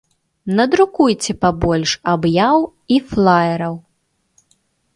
Надрукуйце пабольш аб'яў і флаераў.